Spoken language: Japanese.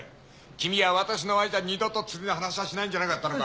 キミは私の前では二度と釣りの話はしないんじゃなかったのか？